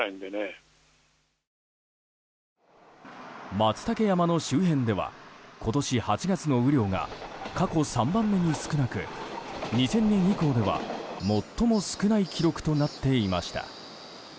マツタケ山の周辺では今年８月の雨量が過去３番目に少なく２０００年以降では最も少ない記録となっていました。